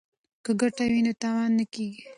که ګټه وي نو تاوان نه کیږي.